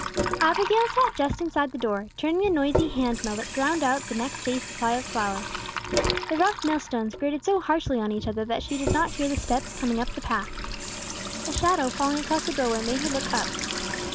ABIGAIL sat just inside the door, turning the noisy hand mill that ground out the next day's supply of flour. The rough mill stones grated so harshly on each other that she did not hear the steps coming up the path. A shadow falling across the door way made her look up.